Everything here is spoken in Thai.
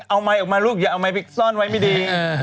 เอาไมค์ออกมาลูกอย่าเอาไมค์ไปซ่อนไว้ไม่ดี